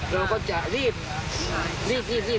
เราก็จะรีบรีบรีบรีบ